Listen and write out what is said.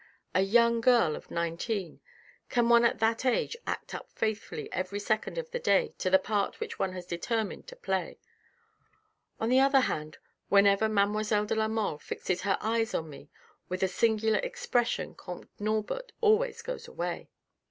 A young girl of nineteen ! Can one at that age act up faithfully every second of the day to the part which one has determined to play. On the other hand whenever mademoiselle de la Mole fixes her eyes on me with a singular expression comte Norbert always goes away.